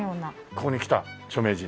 ここに来た著名人。